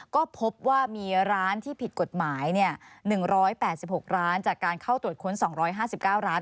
ก็พบว่ามีร้านที่ผิดกฎหมาย๑๘๖ร้านจากการเข้าตรวจค้น๒๕๙ร้าน